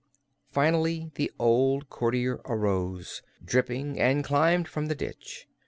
Finally the old courtier arose, dripping, and climbed from the ditch.